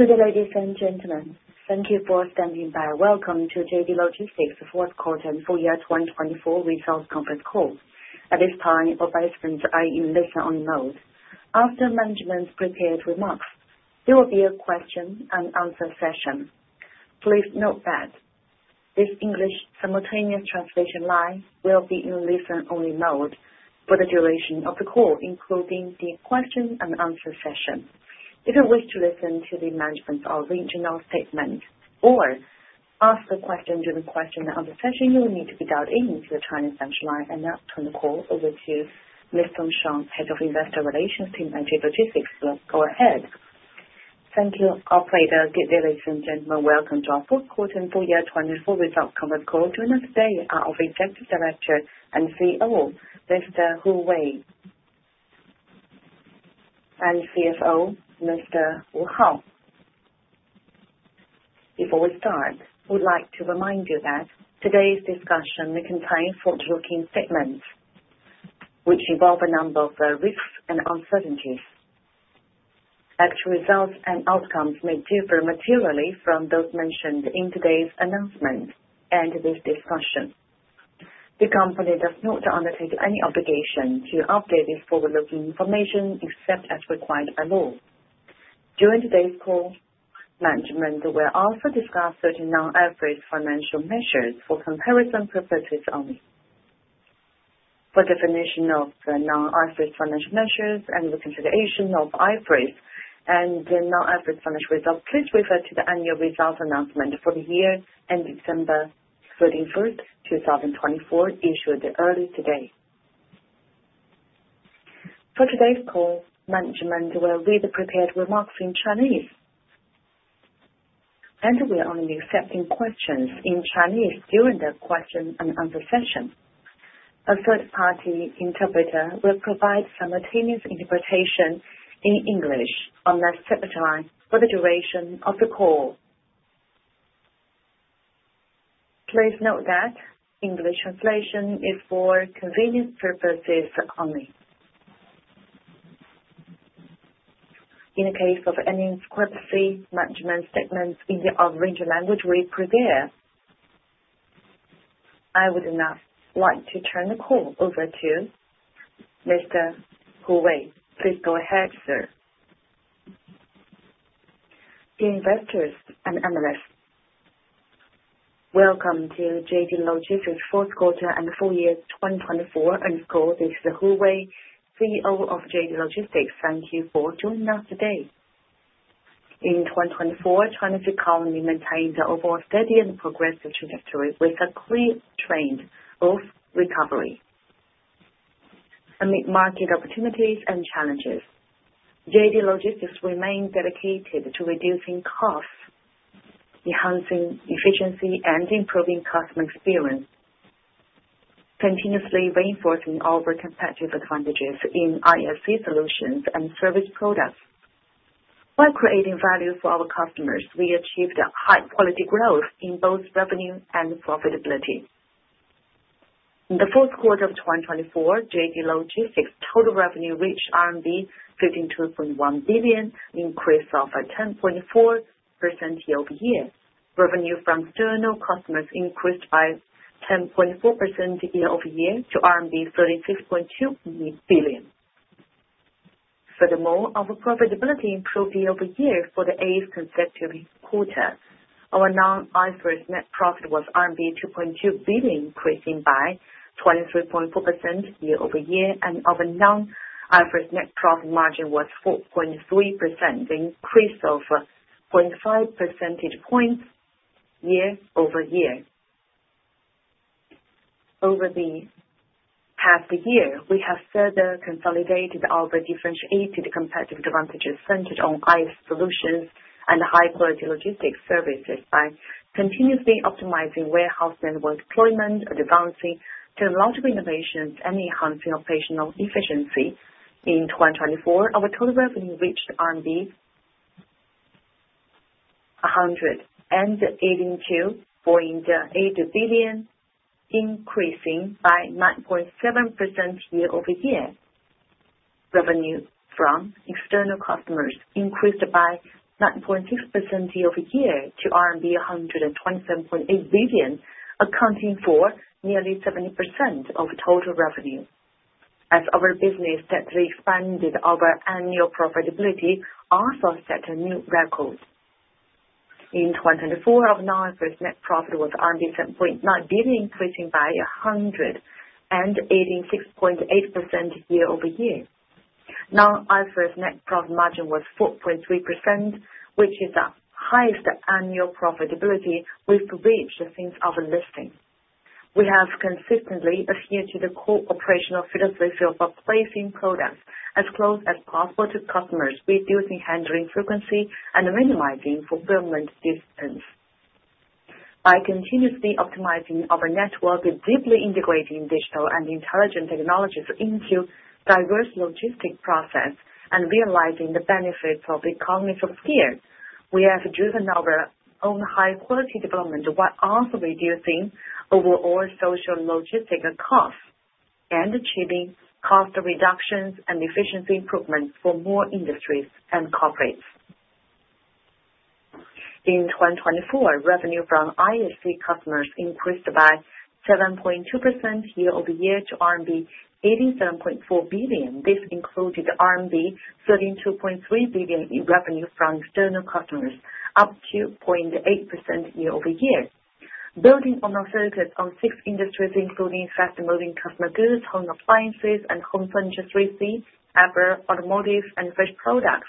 Good day, ladies and gentlemen. Thank you for standing by. Welcome to JD Logistics' Fourth Quarter and Full Year 2024 Results Conference Call. At this time, all participants are in listen-only mode. After management's prepared remarks, there will be a question-and-answer session. Please note that this English simultaneous translation line will be in listen-only mode for the duration of the call, including the question-and-answer session. If you wish to listen to the management's original statement or ask the question during the question-and-answer session, you will need to be dialed into the Chinese central line and turn the call over to Ms. Sean Zhang, Head of Investor Relations Team at JD Logistics. Let's go ahead. Thank you. Operator, dear ladies and gentlemen, welcome to our Fourth Quarter and Full Year 2024 Results Conference Call. Joining us today are our Executive Director and CEO, Mr. Hu Wei, and CFO, Mr. Wu Hao. Before we start, we'd like to remind you that today's discussion may contain forward-looking statements, which involve a number of risks and uncertainties. Actual results and outcomes may differ materially from those mentioned in today's announcement and this discussion. The company does not undertake any obligation to update its forward-looking information except as required by law. During today's call, management will also discuss certain non-IFRS financial measures for comparison purposes only. For definition of non-IFRS financial measures and the consideration of IFRS and non-IFRS financial results, please refer to the annual results announcement for the year ending December 31st, 2024, issued earlier today. For today's call, management will read the prepared remarks in Chinese, and we're only accepting questions in Chinese during the question-and-answer session. A third-party interpreter will provide simultaneous interpretation in English on that separate line for the duration of the call. Please note that English translation is for convenience purposes only. In case of any inconsistency, management's statements in the original language will prevail. I would now like to turn the call over to Mr. Hu Wei. Please go ahead, sir. Dear investors and analysts, welcome to JD Logistics' Fourth Quarter and Full Year 2024. This is Hu Wei, CEO of JD Logistics. Thank you for joining us today. In 2024, China's economy maintains an overall steady and progressive trajectory with a clear trend of recovery. Amid market opportunities and challenges, JD Logistics remains dedicated to reducing costs, enhancing efficiency, and improving customer experience, continuously reinforcing our competitive advantages in ISC solutions and service products. By creating value for our customers, we achieved high-quality growth in both revenue and profitability. In the fourth quarter of 2024, JD Logistics' total revenue reached RMB 15.1 billion, an increase of 10.4% year-over-year. Revenue from external customers increased by 10.4% year-over-year to RMB 36.2 billion. Furthermore, our profitability improved year-over-year for the eighth consecutive quarter. Our non-IFRS net profit was RMB 2.2 billion, increasing by 23.4% year-over-year, and our non-IFRS net profit margin was 4.3%, an increase of 0.5 percentage points year-over-year. Over the past year, we have further consolidated our differentiated competitive advantages centered on ISC solutions and high-quality logistics services by continuously optimizing warehouse network deployment, advancing technological innovations, and enhancing operational efficiency. In 2024, our total revenue reached RMB 182.8 billion, increasing by 9.7% year-over-year. Revenue from external customers increased by 9.6% year-over-year to RMB 127.8 billion, accounting for nearly 70% of total revenue. As our business steadily expanded, our annual profitability also set a new record. In 2024, our non-IFRS net profit was RMB 7.9 billion, increasing by 186.8% year-over-year. Non-IFRS net profit margin was 4.3%, which is the highest annual profitability we've reached since our listing. We have consistently adhered to the core operational philosophy of placing products as close as possible to customers, reducing handling frequency and minimizing fulfillment distance. By continuously optimizing our network, deeply integrating digital and intelligent technologies into diverse logistics processes, and realizing the benefits of economies of scale, we have driven our own high-quality development while also reducing overall social logistics costs and achieving cost reductions and efficiency improvements for more industries and corporates. In 2024, revenue from ISC customers increased by 7.2% year-over-year to RMB 87.4 billion. This included RMB 32.3 billion in revenue from external customers, up 2.8% year-over-year. Building on our focus on six industries, including fast-moving consumer goods, home appliances, and home furniture, 3C, apparel, automotive, and fresh products,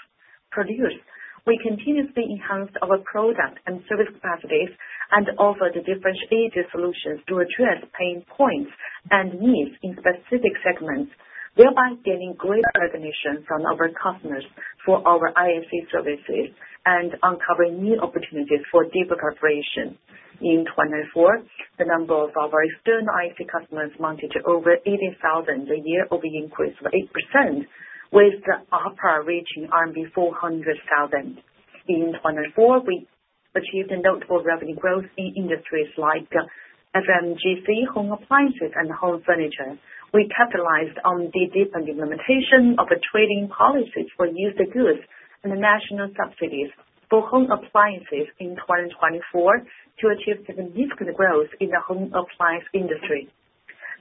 we continuously enhanced our product and service capacities and offered differentiated solutions to address pain points and needs in specific segments, thereby gaining greater recognition from our customers for our ISC services and uncovering new opportunities for deeper collaboration. In 2024, the number of our external ISC customers amounted to over 80,000, a year-over-year increase of 8%, with the ARPC reaching RMB 400,000. In 2024, we achieved notable revenue growth in industries like FMCG, home appliances, and home furniture. We capitalized on the deepened implementation of trade-in policies for used goods and national subsidies for home appliances in 2024 to achieve significant growth in the home appliance industry.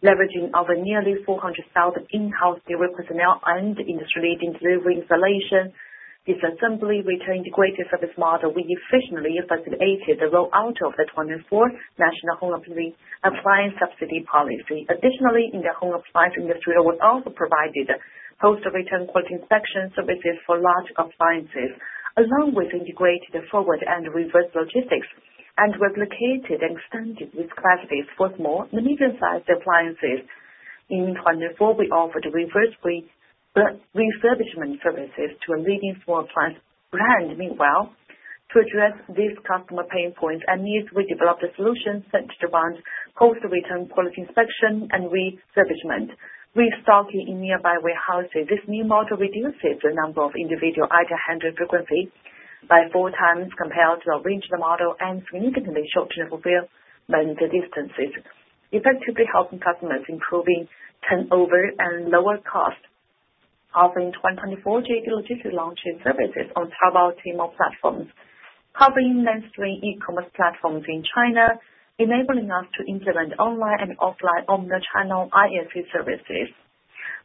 Leveraging our nearly 400,000 in-house delivery personnel and industry-leading delivery installation, disassembly, return, integrated service model, we efficiently facilitated the rollout of the 2024 National Home Appliance Subsidy Policy. Additionally, in the home appliance industry, we also provided post-return quality inspection services for large appliances, along with integrated forward and reverse logistics, and replicated and extended these capacities. Furthermore, in the medium-sized appliances, in 2024, we offered reverse refurbishment services to a leading small appliance brand. Meanwhile, to address these customer pain points and needs, we developed a solution centered around post-return quality inspection and refurbishment, restocking in nearby warehouses. This new model reduces the number of individual item handling frequencies by four times compared to our original model and significantly shortens fulfillment distances, effectively helping customers improve turnover and lower costs. After 2024, JD Logistics launched its services on several Tmall platforms, covering mainstream e-commerce platforms in China, enabling us to implement online and offline omnichannel ISC services.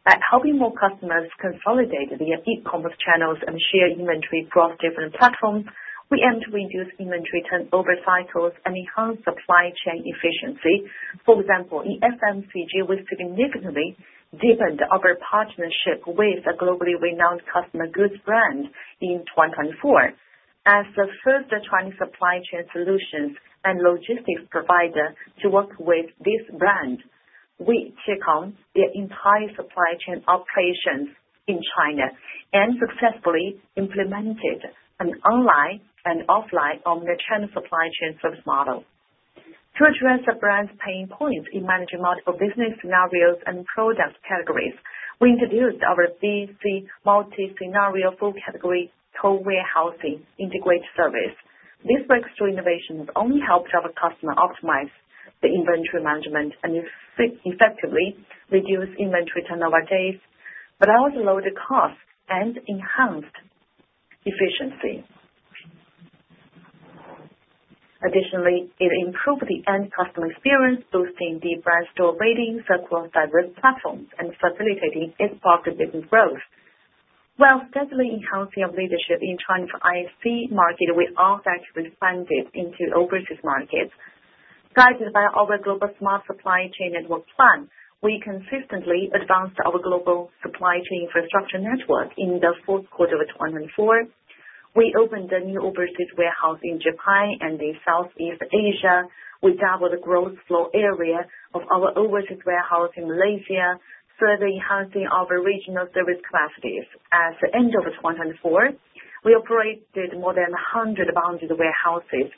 By helping more customers consolidate their e-commerce channels and share inventory across different platforms, we aim to reduce inventory turnover cycles and enhance supply chain efficiency. For example, in FMCG, we significantly deepened our partnership with a globally renowned consumer goods brand in 2024. As the first Chinese supply chain solutions and logistics provider to work with this brand, we took on the entire supply chain operations in China and successfully implemented an online and offline omnichannel supply chain service model. To address the brand's pain points in managing multiple business scenarios and product categories, we introduced our B2C multi-scenario full category two-way housing integrated service. This flexible innovation has not only helped our customer optimize the inventory management and effectively reduce inventory turnover days, but also lowered the costs and enhanced efficiency. Additionally, it improved the end customer experience, boosting the brand store rating across diverse platforms and facilitating its partner business growth. While steadily enhancing our leadership in China's ISC market, we are actively expanding into overseas markets. Guided by our global smart supply chain network plan, we consistently advanced our global supply chain infrastructure network. In the fourth quarter of 2024, we opened a new overseas warehouse in Japan and Southeast Asia. We doubled the gross floor area of our overseas warehouse in Malaysia, further enhancing our regional service capacities. At the end of 2024, we operated more than 100 bonded warehouses,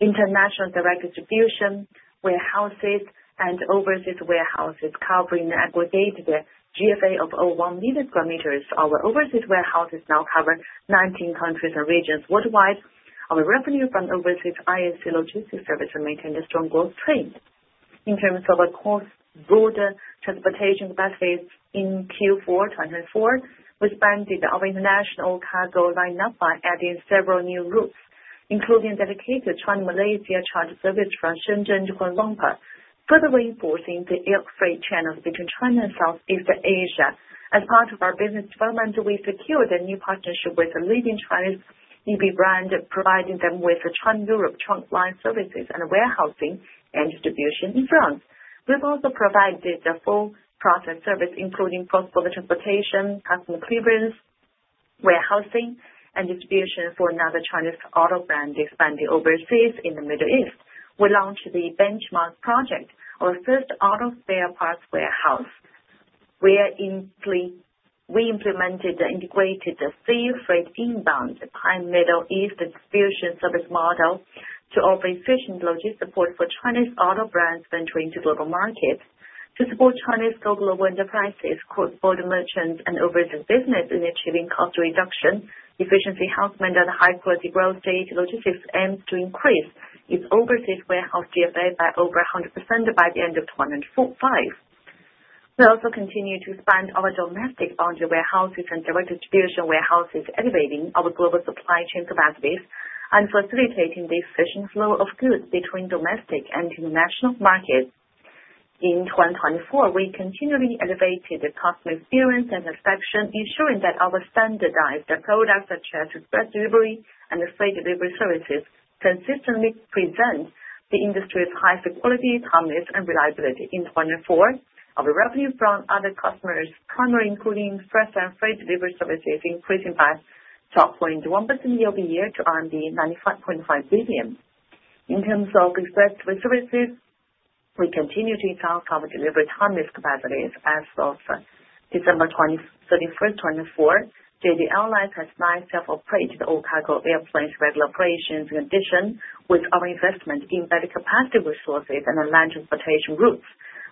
international direct distribution warehouses, and overseas warehouses, covering an aggregated GFA of 1 million sq m. Our overseas warehouses now cover 19 countries and regions worldwide. Our revenue from overseas ISC logistics services maintained a strong growth trend. In terms of our cross-border transportation capacities in Q4 2024, we expanded our international cargo lineup by adding several new routes, including dedicated China-Malaysia chartered services from Shenzhen to Kuala Lumpur, further reinforcing the air freight channels between China and Southeast Asia. As part of our business development, we secured a new partnership with a leading Chinese EV brand, providing them with China-Europe trunk line services and warehousing and distribution in France. We've also provided full-process services, including cross-border transportation, customs clearance, warehousing, and distribution for another Chinese auto brand, expanding overseas in the Middle East. We launched the Benchmark Project, our first auto spare parts warehouse. We implemented the integrated sea freight inbound to the Middle East distribution service model to offer efficient logistics support for Chinese auto brands venturing to global markets. To support Chinese global enterprises, cross-border merchants, and overseas business in achieving cost reduction, efficiency enhancement, and high-quality growth, JD Logistics aims to increase its overseas warehouse GFA by over 100% by the end of 2025. We also continue to expand our domestic bonded warehouses and direct distribution warehouses, elevating our global supply chain capacities and facilitating the efficient flow of goods between domestic and international markets. In 2024, we continually elevated customer experience and satisfaction, ensuring that our standardized products, such as express delivery and freight delivery services, consistently present the industry's highest quality, performance, and reliability. In 2024, our revenue from other customers primarily, including fresh and freight delivery services, increased by 12.1% year-over-year to 95.5 billion. In terms of express delivery services, we continue to enhance our delivery time-based capacities. As of December 31, 2024, JD Airlines has now fully operated all cargo airplanes in regular operational condition with our investment in better capacity resources and land transportation routes.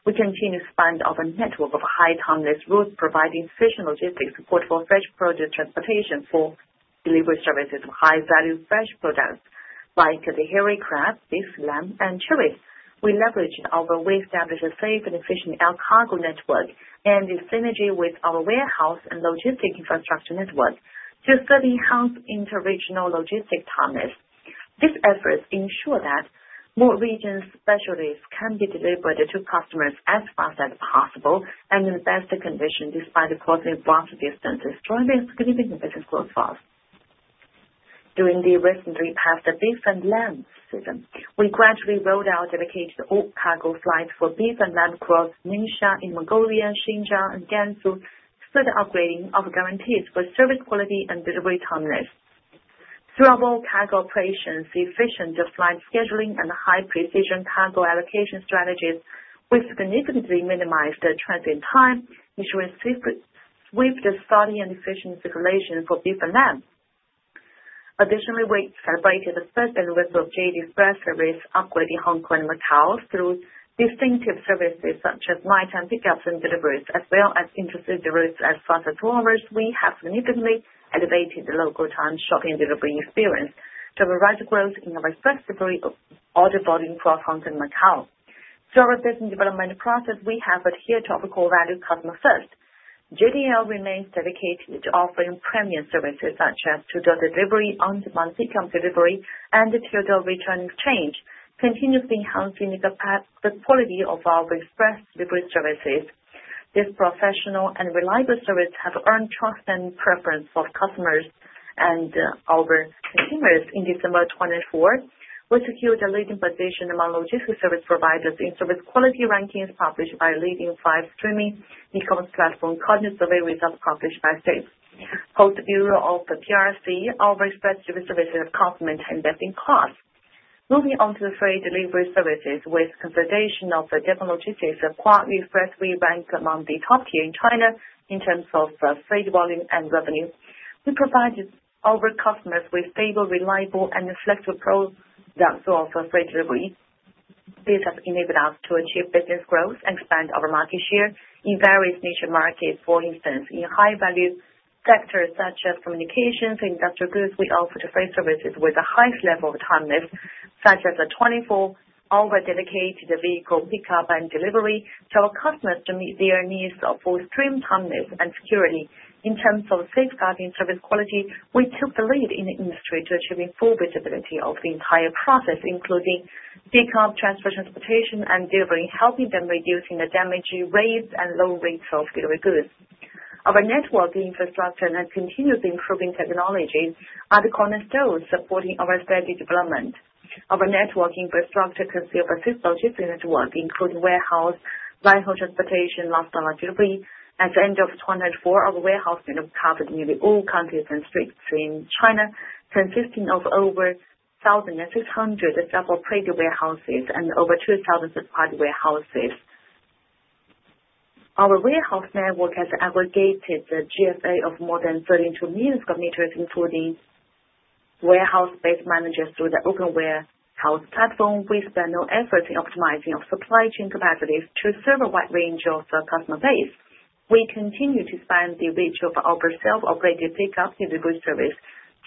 We continue to expand our network of high time-based routes, providing efficient logistics support for fresh produce transportation for delivery services of high-value fresh products like the hairy crab, beef lamb, and cherries. We leverage our well-established safe and efficient cargo network and the synergy with our warehouse and logistics infrastructure network to further enhance interregional logistics promise. This effort ensures that more regional specialties can be delivered to customers as fast as possible and in the best condition despite the closing boundary distances, driving significant business growth fast. During the recently passed beef and lamb season, we gradually rolled out dedicated all cargo flights for beef and lamb cross Ningxia, Inner Mongolia, Xinjiang, and Gansu, further upgrading our guarantees for service quality and delivery promise. Throughout all cargo operations, the efficient flight scheduling and high-precision cargo allocation strategies significantly minimized the transit time, ensuring swift starting and efficient circulation for beef and lamb. Additionally, we celebrated the first anniversary of JD Express service upgrading Hong Kong and Macau through distinctive services such as night-time pickups and deliveries, as well as intercity routes as fast as drivers. We have significantly elevated the local time shopping and delivery experience to provide growth in our express delivery order boarding cross Hong Kong and Macau. Throughout our business development process, we have adhered to our core value, customer first. JDL remains dedicated to offering premium services such as to-door delivery, on-demand pickup delivery, and to-door return exchange, continuously enhancing the quality of our express delivery services. This professional and reliable service has earned trust and preference for customers and our consumers. In December 2024, we secured a leading position among logistics service providers in service quality rankings published by leading five streaming e-commerce platforms, including survey results published by State Post Bureau of PRC, our express delivery services have complimented and best in class. Moving on to the freight delivery services, with consideration of the Deppon Logistics, Kuayue Express, we rank among the top tier in China in terms of freight volume and revenue. We provided our customers with stable, reliable, and flexible products of freight delivery. This has enabled us to achieve business growth and expand our market share in various niche markets. For instance, in high-value sectors such as communications and industrial goods, we offered freight services with the highest level of timeliness, such as a 24-hour dedicated vehicle pickup and delivery to our customers to meet their needs for extreme timeliness and security. In terms of safeguarding service quality, we took the lead in the industry to achieving full visibility of the entire process, including pickup, transfer transportation, and delivery, helping them reduce the damage rates and loss rates of delivery goods. Our network infrastructure and continuously improving technologies are the cornerstones supporting our strategy development. Our network infrastructure consists of a six-in-one logistics network, including warehouse, line-haul transportation, last mile delivery. At the end of 2024, our warehouse network covered nearly all counties and streets in China, consisting of over 1,600 self-operated warehouses and over 2,000 third-party warehouses. Our warehouse network has aggregated the GFA of more than 32 million sq m, including warehouse-based management through the open warehouse platform. We spared no effort in optimizing our supply chain capacities to serve a wide range of customer bases. We continue to expand the reach of our self-operated pickup delivery service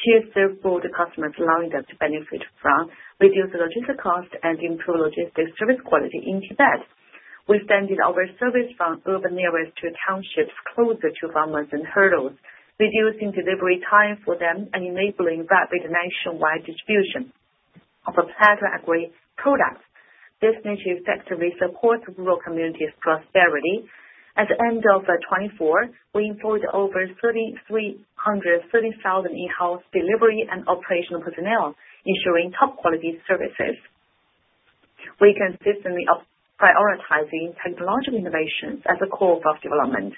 to serve all the customers, allowing them to benefit from reduced logistics costs and improved logistics service quality in Tibet. We extended our service from urban areas to townships closer to farmers and herders, reducing delivery time for them and enabling rapid nationwide distribution of our plethora agri products. This niche effectively supports rural communities' prosperity. At the end of 2024, we employed over 3,300 in-house delivery and operational personnel, ensuring top-quality services. We consistently prioritize technological innovations as a core of our development.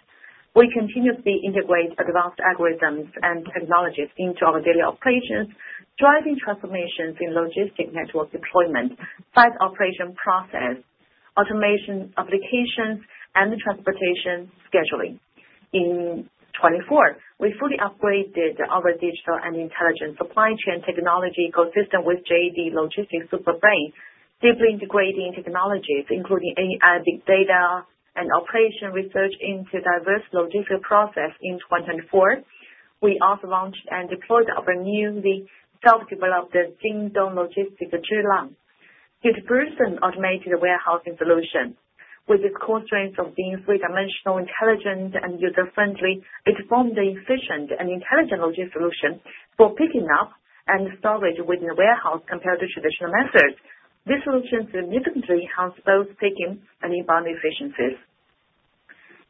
We continuously integrate advanced algorithms and technologies into our daily operations, driving transformations in logistics network deployment, site operation process, automation applications, and transportation scheduling. In 2024, we fully upgraded our digital and intelligent supply chain technology ecosystem with JD Logistics Super Brain, deeply integrating technologies including AI, big data, and operations research into diverse logistics process. In 2024, we also launched and deployed our newly self-developed Jingdong Logistics Zhilang. It precisely automated the warehousing solution. With its characteristics of being three-dimensional, intelligent, and user-friendly, it formed an efficient and intelligent logistics solution for picking up and storage within the warehouse compared to traditional methods. This solution significantly enhanced both picking and inbound efficiencies.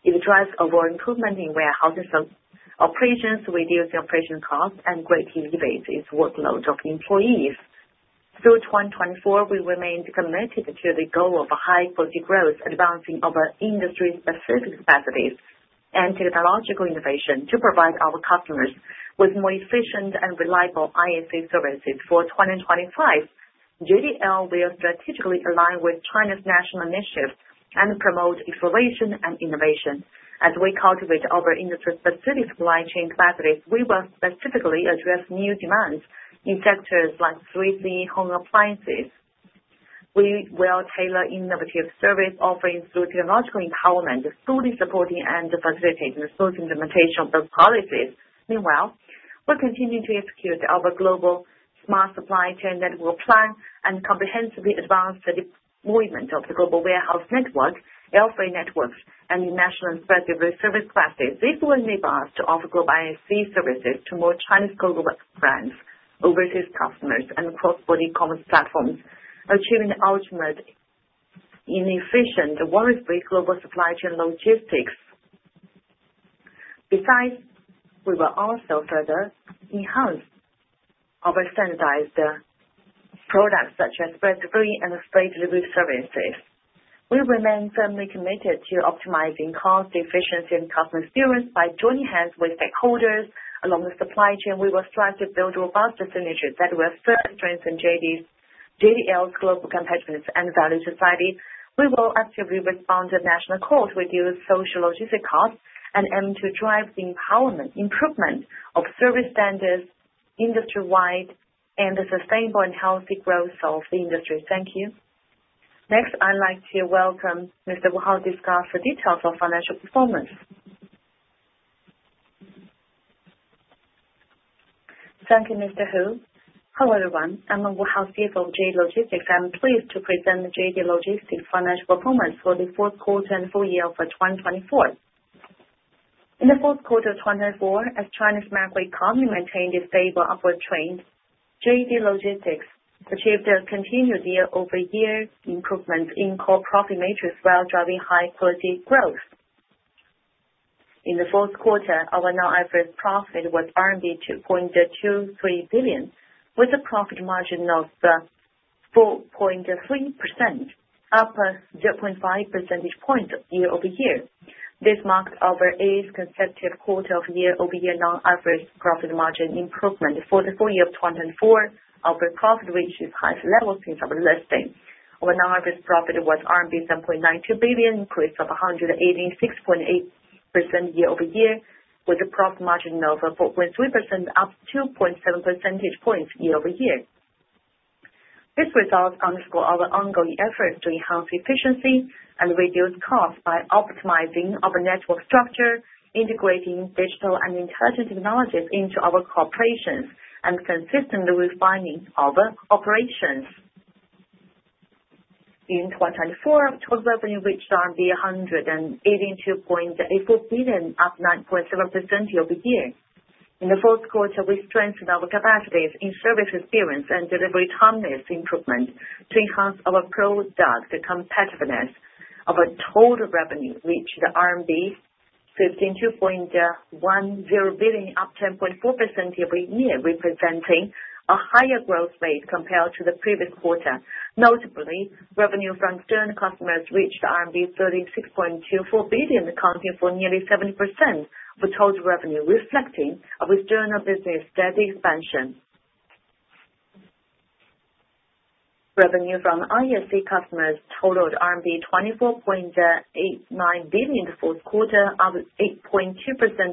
It drives our improvement in warehousing operations, reducing operation costs and greatly easing the workload of employees. Through 2024, we remained committed to the goal of high-quality growth, advancing our industry-specific capacities and technological innovation to provide our customers with more efficient and reliable ISC services. For 2025, JDL will strategically align with China's national initiatives and promote exploration and innovation. As we cultivate our industry-specific supply chain capacities, we will specifically address new demands in sectors like 3C home appliances. We will tailor innovative service offerings through technological empowerment, fully supporting and facilitating the source implementation of those policies. Meanwhile, we continue to execute our global smart supply chain network plan and comprehensively advance the deployment of the global warehouse network, air freight networks, and the national express delivery service classes. This will enable us to offer global ISC services to more Chinese global brands, overseas customers, and cross-border e-commerce platforms, achieving ultimate inefficient worldwide global supply chain logistics. Besides, we will also further enhance our standardized products such as express delivery and freight delivery services. We remain firmly committed to optimizing cost, efficiency, and customer experience by joining hands with stakeholders along the supply chain. We will strive to build robust distributors that will further strengthen JDL's global competitiveness and value society. We will actively respond to national calls to reduce social logistics costs and aim to drive the improvement of service standards industry-wide and the sustainable and healthy growth of the industry. Thank you. Next, I'd like to welcome Mr. Wu Hao to discuss the details of financial performance. Thank you, Mr. Hu. Hello, everyone. I'm Wu Hao, CFO of JD Logistics. I'm pleased to present the JD Logistics financial performance for the fourth quarter and full year for 2024. In the fourth quarter of 2024, as China's macroeconomy maintained a stable upward trend, JD Logistics achieved a continued year-over-year improvement in core profit metrics while driving high-quality growth. In the fourth quarter, our net average profit was 2.23 billion, with a profit margin of 4.3%, up 0.5 percentage points year-over-year. This marked our eighth consecutive quarter-of-year-over-year net average profit margin improvement. For the full year of 2024, our profit reached its highest level since our listing. Our net average profit was RMB 7.92 billion, increased by 186.8% year-over-year, with a profit margin of 4.3%, up 2.7 percentage points year-over-year. This resulted in our ongoing efforts to enhance efficiency and reduce costs by optimizing our network structure, integrating digital and intelligent technologies into our operations, and consistently refining our operations. In 2024, total revenue reached 182.84 billion, up 9.7% year-over-year. In the fourth quarter, we strengthened our capacities in service experience and delivery promise improvement to enhance our product competitiveness. Our total revenue reached RMB 52.10 billion, up 10.4% year-over-year, representing a higher growth rate compared to the previous quarter. Notably, revenue from external customers reached RMB 36.24 billion, accounting for nearly 70% of total revenue, reflecting our external business' steady expansion. Revenue from ISC customers totaled RMB 24.89 billion in the fourth quarter, up 8.2%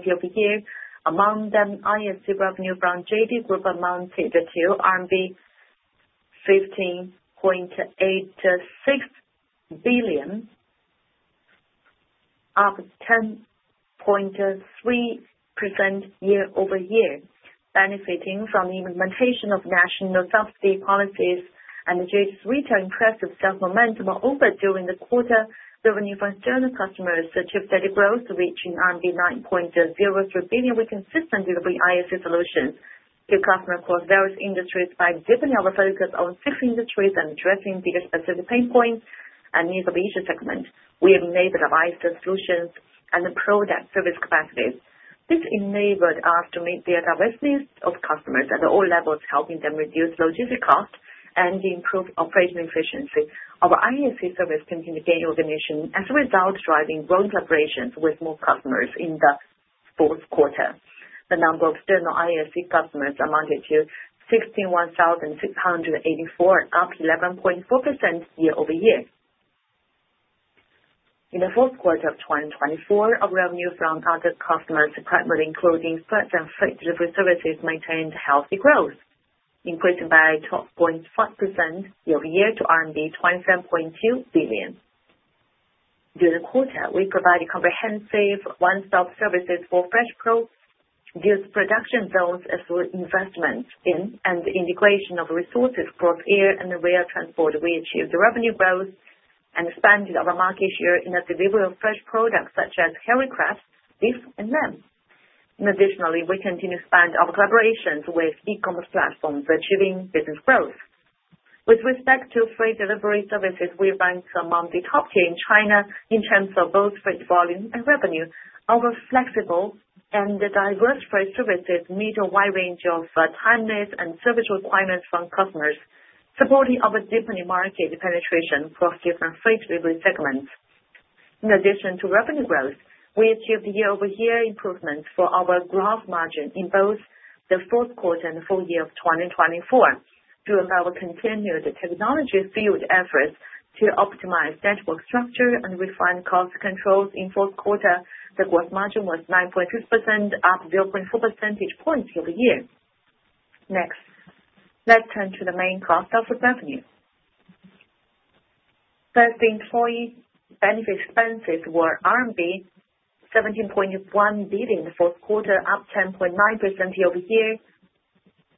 year-over-year. Among them, ISC revenue from JD Group amounted to RMB 15.86 billion, up 10.3% year-over-year, benefiting from the implementation of national subsidy policies and JD's retail impressive sales momentum during the quarter. Revenue from external customers achieved steady growth, reaching 9.03 billion. We consistently delivered ISC solutions to customers across various industries by deepening our focus on six industries and addressing bigger specific pain points and needs of each segment. We enabled our ISC solutions and the product service capacities. This enabled us to meet their diverse needs of customers at all levels, helping them reduce logistics costs and improve operational efficiency. Our ISC service continued gaining recognition as a result, driving growth operations with more customers in the fourth quarter. The number of external ISC customers amounted to 61,684, up 11.4% year-over-year. In the fourth quarter of 2024, our revenue from other customers, primarily including express and freight delivery services, maintained healthy growth, increasing by 12.5% year-over-year to RMB 27.2 billion. During the quarter, we provided comprehensive one-stop services for fresh produce production zones through investment in and integration of resources across air and rail transport. We achieved revenue growth and expanded our market share in the delivery of fresh products such as hairy crabs, beef, and lamb. Additionally, we continue to expand our collaborations with e-commerce platforms, achieving business growth. With respect to freight delivery services, we rank among the top tier in China in terms of both freight volume and revenue. Our flexible and diverse freight services meet a wide range of time-based and service requirements from customers, supporting our deepening market penetration across different freight delivery segments. In addition to revenue growth, we achieved year-over-year improvements for our gross margin in both the fourth quarter and the full year of 2024. Through our continued technology-fueled efforts to optimize network structure and refine cost controls, in the fourth quarter, the gross margin was 9.6%, up 0.4 percentage points year-over-year. Next, let's turn to the main cost of revenue. First, the employee benefit expenses were 17.1 billion in the fourth quarter, up 10.9% year-over-year.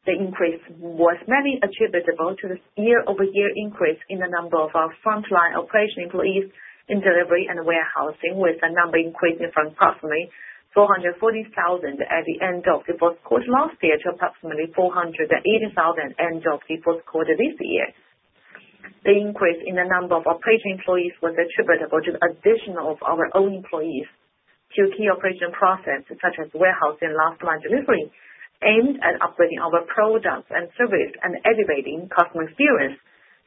The increase was mainly attributable to the year-over-year increase in the number of our frontline operation employees in delivery and warehousing, with the number increasing from approximately 440,000 at the end of the fourth quarter last year to approximately 480,000 at the end of the fourth quarter this year. The increase in the number of operation employees was attributable to the addition of our own employees to key operation processes such as warehousing and last mile delivery, aimed at upgrading our products and services and elevating customer experience.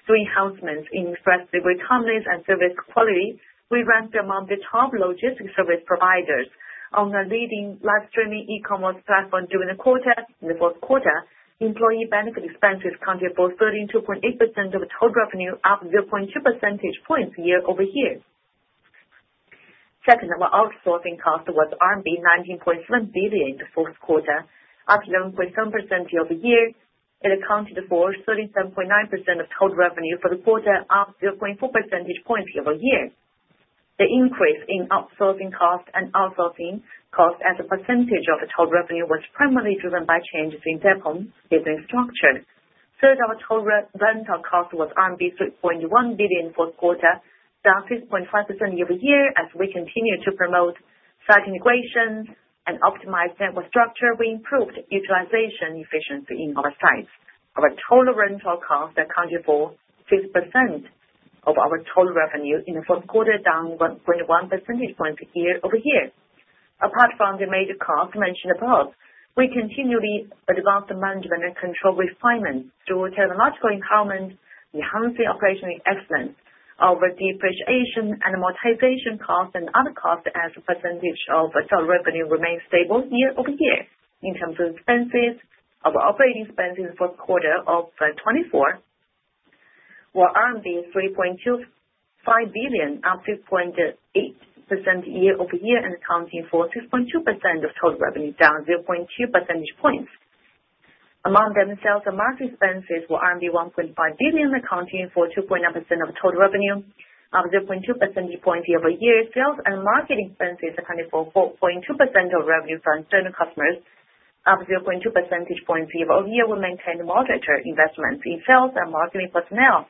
Through enhancements in express delivery promise and service quality, we ranked among the top logistics service providers on a leading live-streaming e-commerce platform during the quarter. In the fourth quarter, employee benefit expenses accounted for 32.8% of total revenue, up 0.2 percentage points year-over-year. Second, our outsourcing cost was RMB 19.7 billion in the fourth quarter, up 11.7% year-over-year. It accounted for 37.9% of total revenue for the quarter, up 0.4 percentage points year-over-year. The increase in outsourcing cost and outsourcing cost as a percentage of total revenue was primarily driven by changes in their own business structure. Third, our total rental cost was RMB 3.1 billion in the fourth quarter, down 6.5% year-over-year. As we continued to promote site integration and optimize network structure, we improved utilization efficiency in our sites. Our total rental cost accounted for 6% of our total revenue in the fourth quarter, down 1.1 percentage points year-over-year. Apart from the major costs mentioned above, we continually advanced management and control refinements through technological empowerment, enhancing operational excellence. Our depreciation and amortization costs and other costs as a percentage of total revenue remained stable year-over-year. In terms of expenses, our operating expenses in the fourth quarter of 2024 were RMB 3.25 billion, up 6.8% year-over-year, and accounting for 6.2% of total revenue, down 0.2 percentage points. Among them, sales and marketing expenses were 1.5 billion, accounting for 2.9% of total revenue, up 0.2 percentage points year-over-year. Sales and marketing expenses accounted for 4.2% of revenue from external customers, up 0.2 percentage points year-over-year. We maintained moderate investments in sales and marketing personnel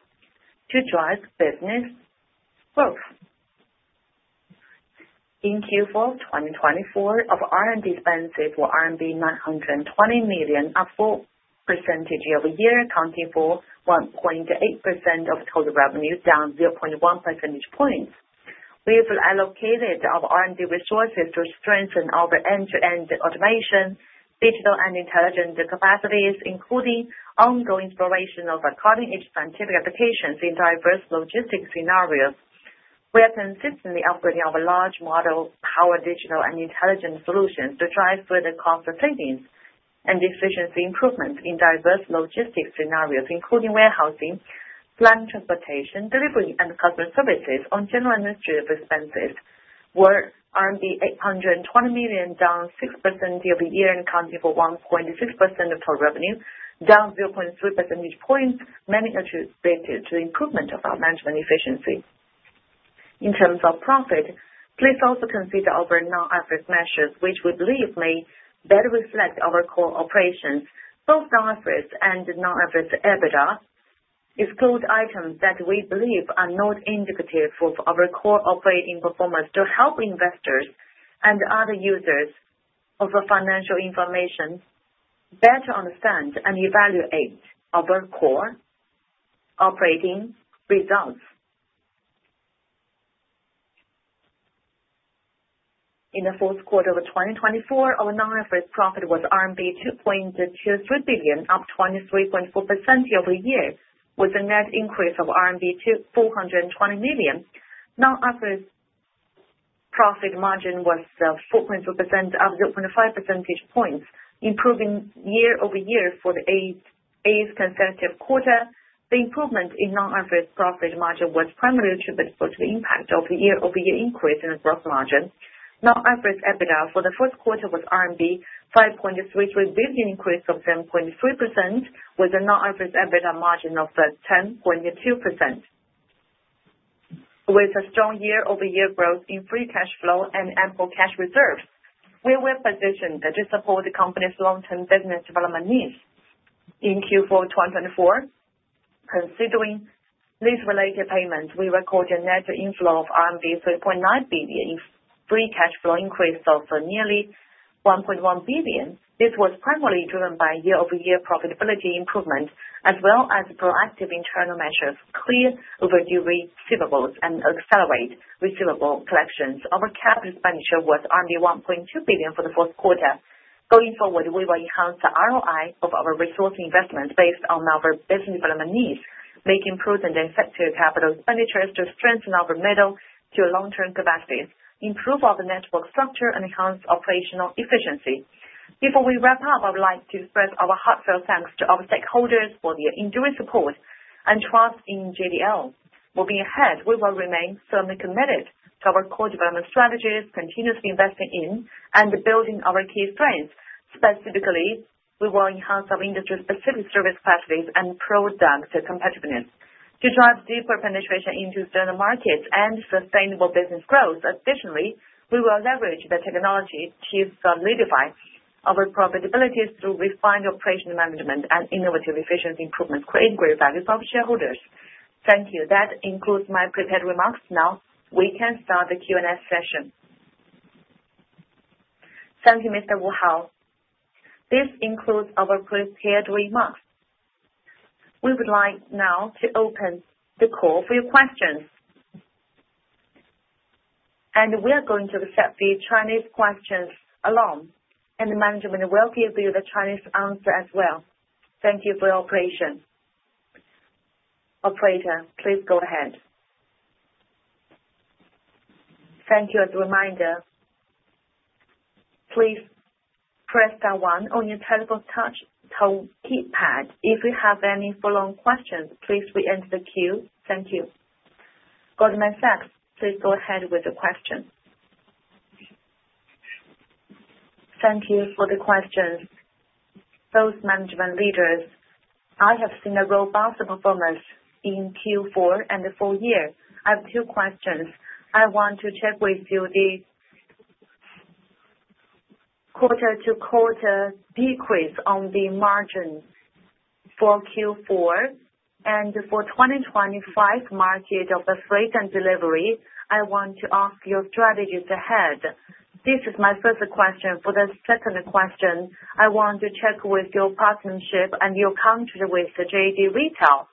to drive business growth. In Q4 2024, our R&D expenses were RMB 920 million, up 4% year-over-year, accounting for 1.8% of total revenue, down 0.1 percentage points. We have allocated our R&D resources to strengthen our end-to-end automation, digital, and intelligent capacities, including ongoing exploration of cutting-edge scientific applications in diverse logistics scenarios. We are consistently upgrading our large model-powered digital and intelligent solutions to drive further cost savings and efficiency improvements in diverse logistics scenarios, including warehousing, planned transportation, delivery, and customer services. On general administrative expenses, 820 million, down 6% year-over-year, and accounting for 1.6% of total revenue, down 0.3 percentage points, mainly attributed to the improvement of our management efficiency. In terms of profit, please also consider our non-IFRS measures, which we believe may better reflect our core operations. Both non-IFRS and non-IFRS EBITDA exclude items that we believe are not indicative of our core operating performance to help investors and other users of our financial information better understand and evaluate our core operating results. In the fourth quarter of 2024, our non-IFRS profit was RMB 2.23 billion, up 23.4% year-over-year, with a net increase of RMB 420 million. Net average profit margin was 4.2%, up 0.5 percentage points, improving year-over-year for the eighth consecutive quarter. The improvement in net average profit margin was primarily attributed to the impact of the year-over-year increase in the gross margin. Net average EBITDA for the fourth quarter was RMB 5.33 billion, increased from 7.3%, with a net average EBITDA margin of 10.2%. With a strong year-over-year growth in free cash flow and ample cash reserves, we were positioned to support the company's long-term business development needs. In Q4 2024, considering these related payments, we recorded a net inflow of RMB 3.9 billion in free cash flow, increased of nearly 1.1 billion. This was primarily driven by year-over-year profitability improvement, as well as proactive internal measures to clear overdue receivables and accelerate receivable collections. Our capital expenditure was 1.2 billion for the fourth quarter. Going forward, we will enhance the ROI of our resource investments based on our business development needs, making prudent and effective capital expenditures to strengthen our middle-to-long-term capacities, improve our network structure, and enhance operational efficiency. Before we wrap up, I would like to express our heartfelt thanks to our stakeholders for their enduring support and trust in JDL. Moving ahead, we will remain firmly committed to our core development strategies, continuously investing in and building our key strengths. Specifically, we will enhance our industry-specific service capacities and product competitiveness to drive deeper penetration into external markets and sustainable business growth. Additionally, we will leverage the technology to solidify our profitability through refined operation management and innovative efficiency improvements, creating great value for our shareholders. Thank you. That includes my prepared remarks. Now, we can start the Q&A session. Thank you, Mr. Wu Hao. This includes our prepared remarks. We would like now to open the call for your questions and we are going to accept the Chinese questions alone, and the management will give you the Chinese answer as well. Thank you for your operation. Operator, please go ahead. Thank you. As a reminder, please press star one on your telephone touch-tone keypad. If you have any follow-on questions, please re-enter the queue. Thank you. Goldman Sachs, please go ahead with the question. Thank you for the questions. To the management leaders, I have seen a robust performance in Q4 and the full year. I have two questions. I want to check with you the quarter-to-quarter decrease on the margin for Q4 and for the 2025 market of freight and delivery. I want to ask your strategies ahead. This is my first question. For the second question, I want to check with your partnership and your contract with JD Retail.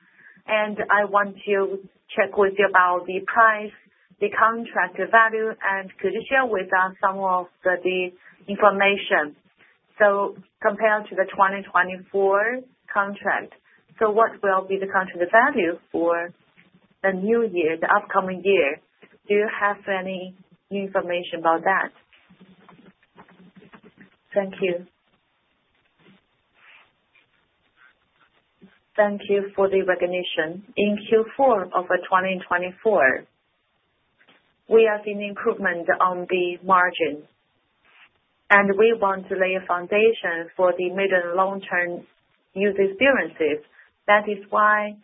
I want to check with you about the price, the contract value, and could you share with us some of the information. Compared to the 2024 contract, what will be the contract value for the new year, the upcoming year. Do you have any new information about that? Thank you. Thank you for the recognition. In Q4 of 2024, we are seeing improvement on the margin, and we want to lay a foundation for the middle and long-term user experiences. That is why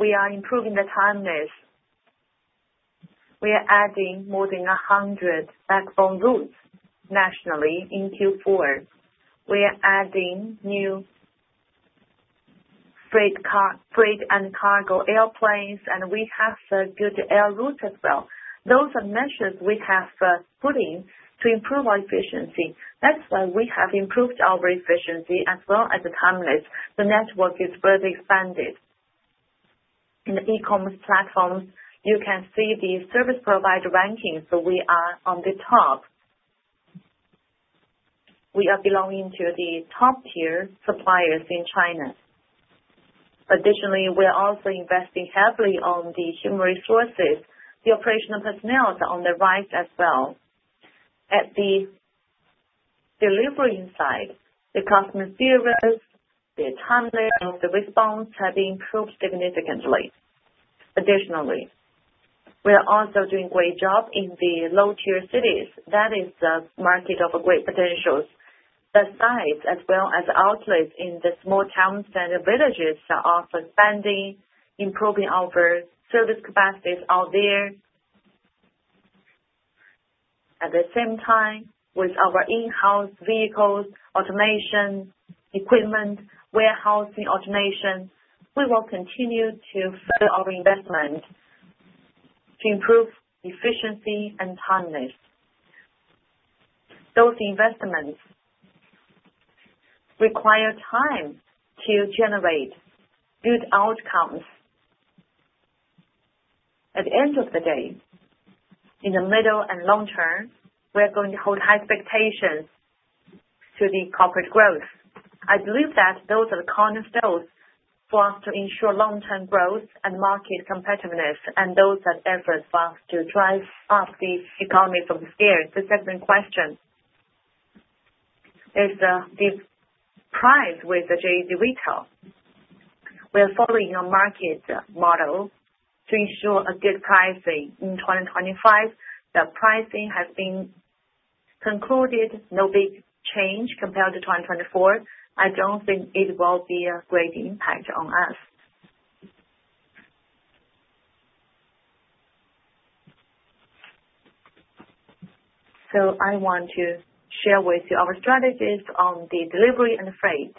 we are improving the timeliness. We are adding more than 100 backbone routes nationally in Q4. We are adding new freight and cargo airplanes, and we have a good air route as well. Those are measures we have put in to improve our efficiency. That's why we have improved our efficiency as well as the timeliness. The network is further expanded. In the e-commerce platforms, you can see the service provider ranking. So we are on the top. We are belonging to the top-tier suppliers in China. Additionally, we are also investing heavily on the human resources. The operational personnel are on the rise as well. At the delivery side, the customer experience, the timeliness, and the response have improved significantly. Additionally, we are also doing a great job in the low-tier cities. That is a market of great potential. The sites, as well as outlets in the small towns and villages, are outstanding, improving our service capacities out there. At the same time, with our in-house vehicles, automation, equipment, warehousing automation, we will continue to further our investment to improve efficiency and timeliness. Those investments require time to generate good outcomes. At the end of the day, in the middle and long term, we are going to hold high expectations for the corporate growth. I believe that those are the cornerstones for us to ensure long-term growth and market competitiveness, and those are the efforts for us to drive up the economies of scale. The second question is the pricing with JD Retail. We are following our market model to ensure a good pricing in 2025. The pricing has been concluded, no big change compared to 2024. I don't think it will be a great impact on us. So I want to share with you our strategies on the delivery and freight.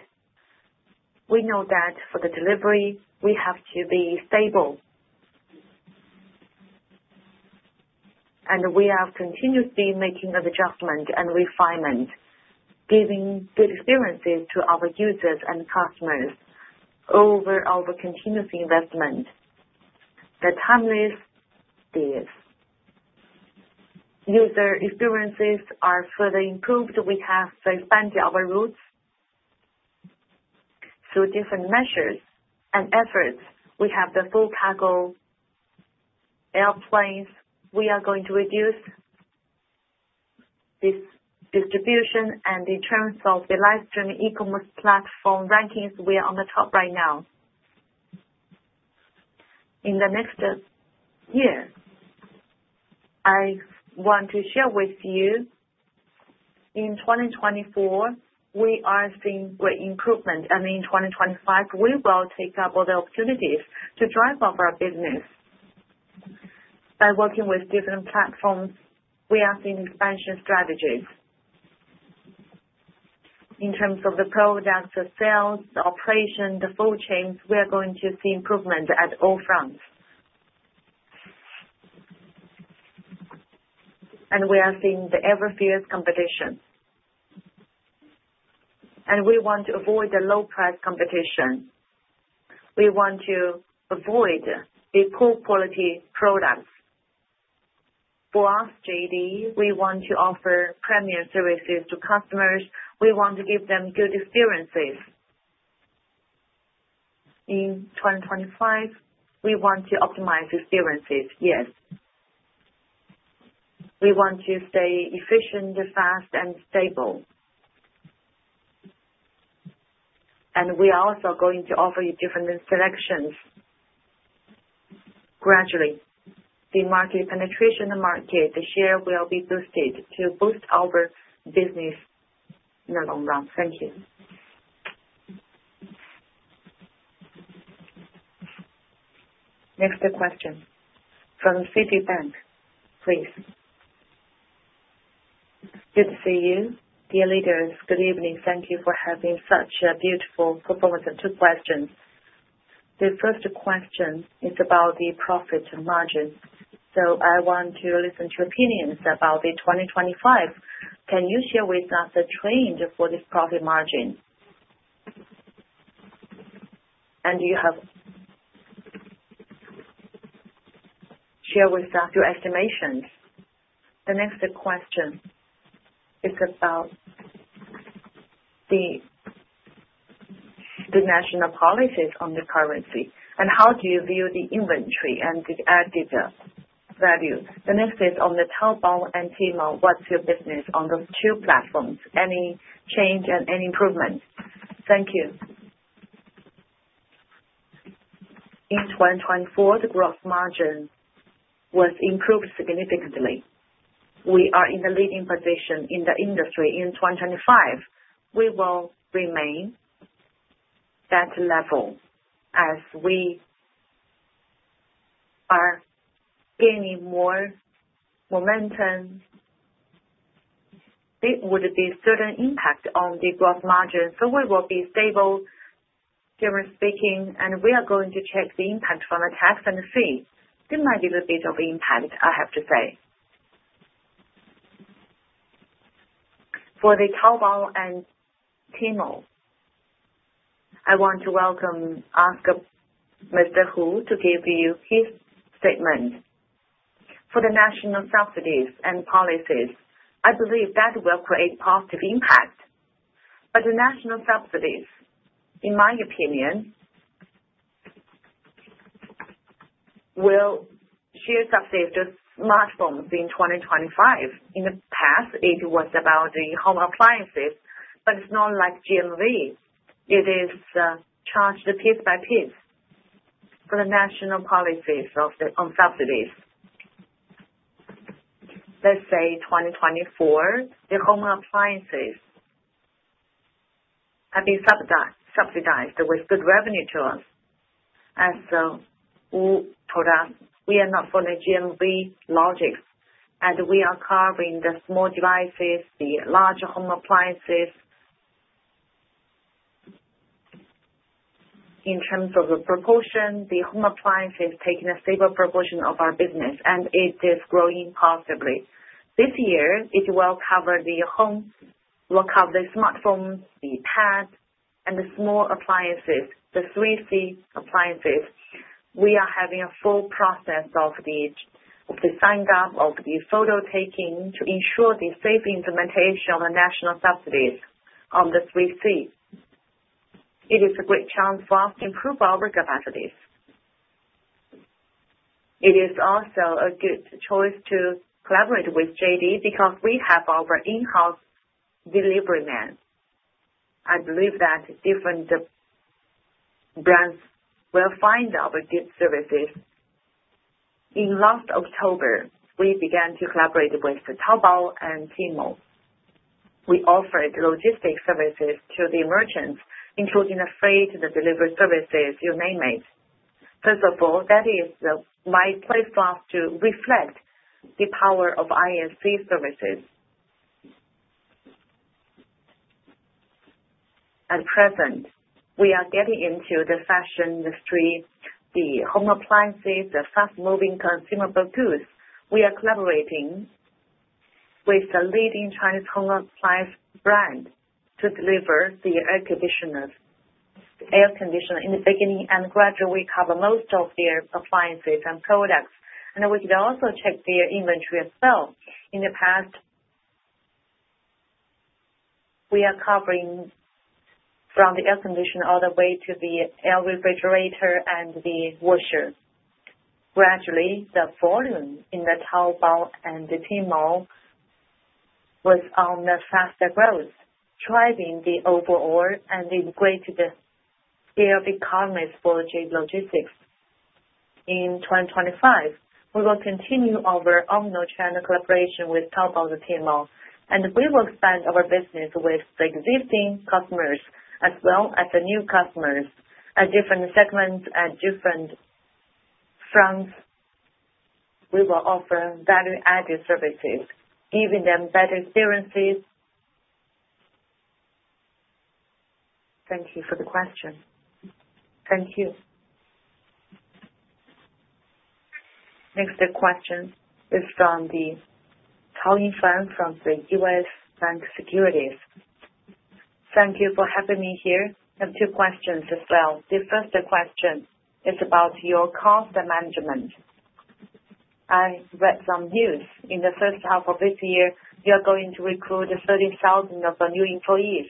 We know that for the delivery, we have to be stable, and we are continuously making adjustments and refinements, giving good experiences to our users and customers over our continuous investment. The time-based user experiences are further improved. We have expanded our routes through different measures and efforts. We have the full cargo airplanes. We are going to reduce distribution. And in terms of the livestreaming e-commerce platform rankings, we are on the top right now. In the next year, I want to share with you in 2024, we are seeing great improvement. And in 2025, we will take up all the opportunities to drive up our business. By working with different platforms, we are seeing expansion strategies. In terms of the product, the sales, the operation, the full chains, we are going to see improvement at all fronts. And we are seeing the ever-fierce competition. And we want to avoid the low-price competition. We want to avoid the poor-quality products. For us, JD, we want to offer premier services to customers. We want to give them good experiences. In 2025, we want to optimize experiences, yes. We want to stay efficient, fast, and stable, and we are also going to offer you different selections gradually. The market penetration market this year will be boosted to boost our business in the long run. Thank you. Next question from Citibank, please. Good to see you. Dear leaders, good evening. Thank you for having such a beautiful performance and two questions. The first question is about the profit margin. So I want to listen to opinions about the 2025. Can you share with us the trend for this profit margin? And do you have share with us your estimations? The next question is about the national policies on the currency, and how do you view the inventory and the added value? The next is on the Taobao and Tmall. What's your business on those two platforms? Any change and any improvement? Thank you. In 2024, the gross margin was improved significantly. We are in the leading position in the industry. In 2025, we will remain at that level as we are gaining more momentum. It would be a certain impact on the gross margin. So we will be stable, generally speaking, and we are going to check the impact from the tax and the fee. There might be a little bit of impact, I have to say. For the Taobao and Tmall, I want to welcome Mr. Hu to give you his statement. For the national subsidies and policies, I believe that will create a positive impact. But the national subsidies, in my opinion, will share subsidies to smartphones in 2025. In the past, it was about the home appliances, but it's not like GMV. It is charged piece by piece for the national policies on subsidies. Let's say 2024, the home appliances have been subsidized with good revenue to us. As Wu told us, we are not following GMV logics, and we are covering the small devices, the larger home appliances. In terms of the proportion, the home appliances are taking a stable proportion of our business, and it is growing positively. This year, it will cover the smartphone, the pad, and the small appliances, the 3C appliances. We are having a full process of the sign-up of the photo taking to ensure the safe implementation of the national subsidies on the 3C. It is a great chance for us to improve our capacities. It is also a good choice to collaborate with JD because we have our in-house delivery man. I believe that different brands will find our good services. In last October, we began to collaborate with Taobao and Tmall. We offered logistics services to the merchants, including the freight, the delivery services, you name it. First of all, that is my place for us to reflect the power of ISC services. At present, we are getting into the fashion industry, the home appliances, the fast-moving consumer goods. We are collaborating with the leading Chinese home appliance brand to deliver the air conditioners, air conditioner in the beginning, and gradually cover most of their appliances and products, and we can also check their inventory as well. In the past, we are covering from the air conditioner all the way to the refrigerator and the washer. Gradually, the volume in the Taobao and Tmall was on the fast growth, driving the overall and the greatest scale economies for JD Logistics. In 2025, we will continue our own China collaboration with Taobao and Tmall, and we will expand our business with the existing customers as well as the new customers at different segments and different fronts. We will offer value-added services, giving them better experiences. Thank you for the question. Thank you. Next question is from the Taoyi Fan from the U.S. Bank Securities. Thank you for having me here. I have two questions as well. The first question is about your cost management. I read some news. In the first half of this year, you are going to recruit 30,000 of new employees.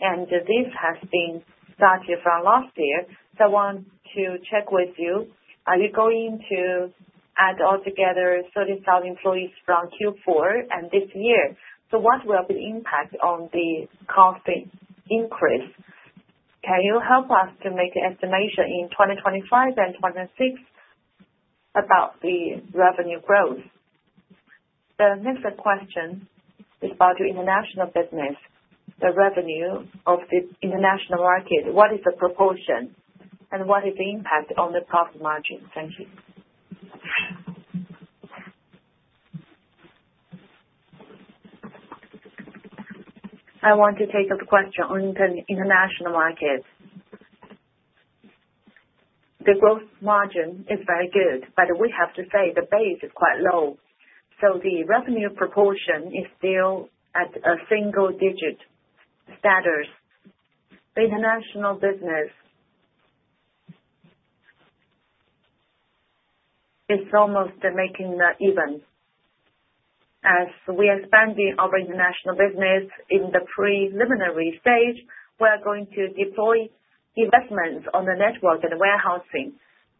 And this has been started from last year. So I want to check with you. Are you going to add altogether 30,000 employees from Q4 and this year? So what will be the impact on the cost increase? Can you help us to make an estimation in 2025 and 2026 about the revenue growth? The next question is about your international business. The revenue of the international market, what is the proportion, and what is the impact on the profit margin? Thank you. I want to take a question on the international market. The gross margin is very good, but we have to say the base is quite low. So the revenue proportion is still at a single-digit status. The international business is almost making the even. As we are expanding our international business in the preliminary stage, we are going to deploy investments on the network and warehousing.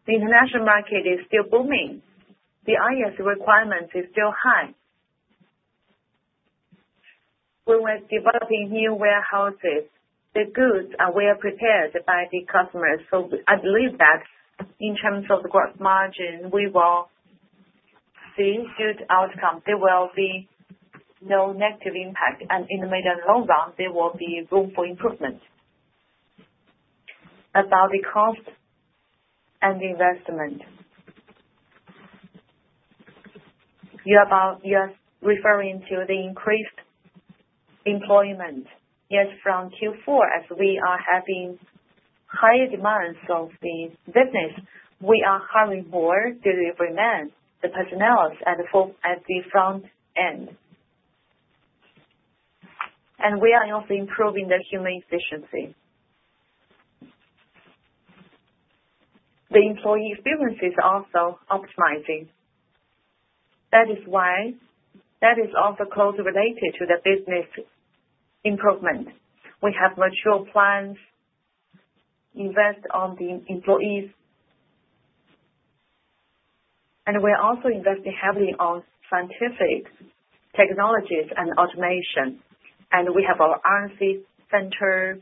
The international market is still booming. The ISC requirements are still high. We were developing new warehouses. The goods are well prepared by the customers. I believe that in terms of the gross margin, we will see good outcomes. There will be no negative impact. In the medium and long run, there will be room for improvement. About the cost and investment, you are referring to the increased employment. Yes, from Q4, as we are having higher demands of the business, we are hiring more delivery men, the personnel at the front end. We are also improving the human efficiency. The employee experience is also optimizing. That is why that is also closely related to the business improvement. We have mature plans, invest on the employees. We are also investing heavily on scientific technologies and automation. We have our R&D center,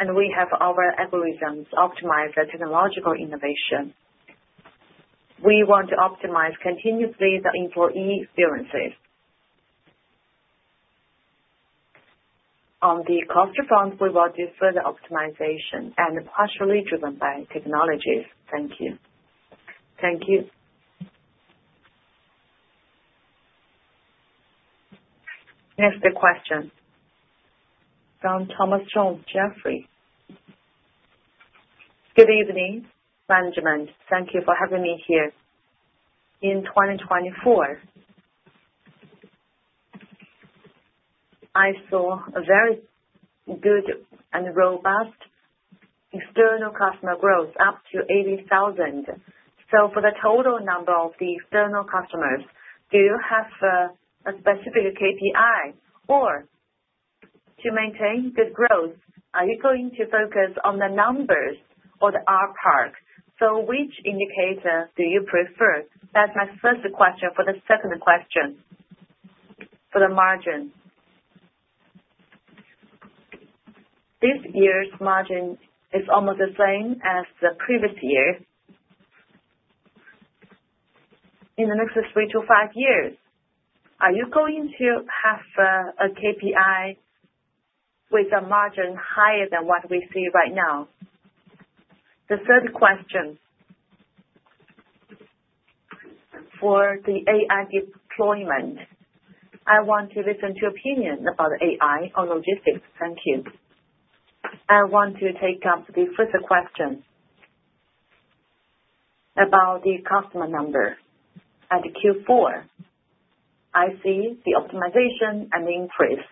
and we have our algorithms optimized for technological innovation. We want to optimize continuously the employee experiences. On the cost front, we will do further optimization and partially driven by technologies. Thank you. Thank you. Next question from Thomas Chong, Jefferies. Good evening, management. Thank you for having me here. In 2024, I saw a very good and robust external customer growth, up to 80,000. So for the total number of the external customers, do you have a specific KPI? Or to maintain good growth, are you going to focus on the numbers or the ARPC? So which indicator do you prefer? That's my first question for the second question for the margin. This year's margin is almost the same as the previous year. In the next three to five years, are you going to have a KPI with a margin higher than what we see right now? The third question for the AI deployment, I want to listen to opinions about AI or logistics. Thank you. I want to take up the first question about the customer number. At Q4, I see the optimization and the increase.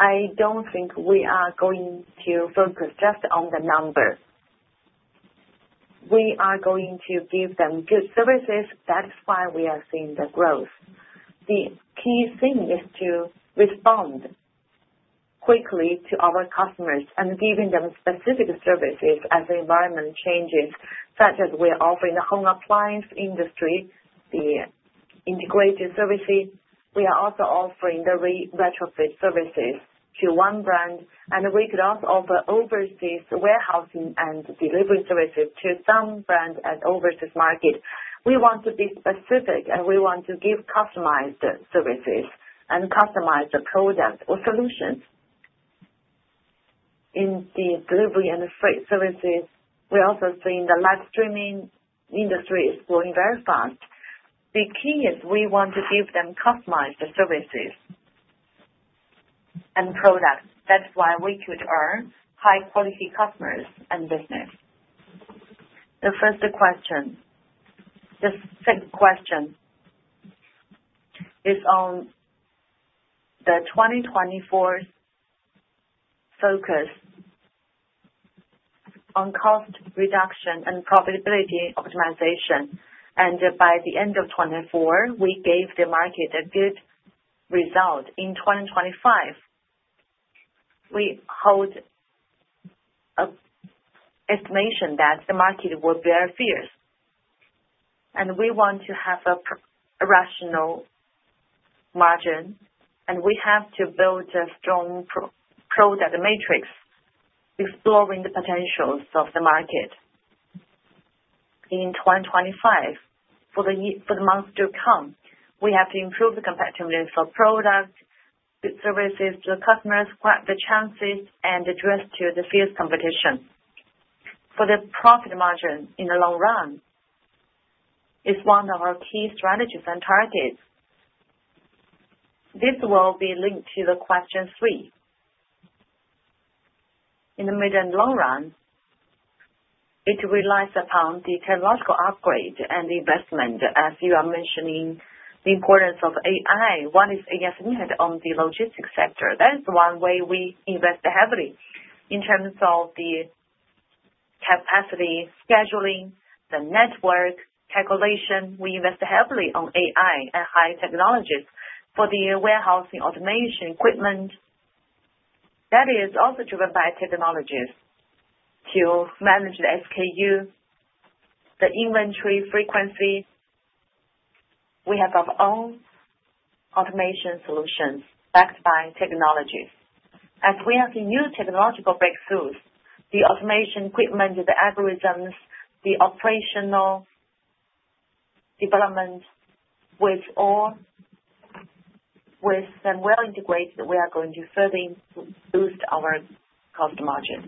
I don't think we are going to focus just on the number. We are going to give them good services. That's why we are seeing the growth. The key thing is to respond quickly to our customers and giving them specific services as the environment changes, such as we are offering the home appliance industry, the integrated services. We are also offering the retrofit services to one brand, and we could also offer overseas warehousing and delivery services to some brands and overseas market. We want to be specific, and we want to give customized services and customized products or solutions. In the delivery and freight services, we're also seeing the live streaming industry is growing very fast. The key is we want to give them customized services and products. That's why we could earn high-quality customers and business. The first question. The second question is on the 2024 focus on cost reduction and profitability optimization, and by the end of 2024, we gave the market a good result. In 2025, we hold an estimation that the market will bear fears, and we want to have a rational margin, and we have to build a strong product matrix, exploring the potentials of the market. In 2025, for the months to come, we have to improve the competitiveness of products, good services to the customers, the challenges, and address the fierce competition. For the profit margin in the long run, it's one of our key strategies and targets. This will be linked to question three. In the medium and long run, it relies upon the technological upgrade and investment, as you are mentioning, the importance of AI. What is AI significant on the logistics sector? That is one way we invest heavily. In terms of the capacity scheduling, the network calculation, we invest heavily on AI and high technologies. For the warehousing automation equipment, that is also driven by technologies to manage the SKU, the inventory frequency. We have our own automation solutions backed by technologies. As we have new technological breakthroughs, the automation equipment, the algorithms, the operational development, with them well integrated, we are going to further boost our gross margin.